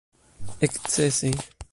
ekscese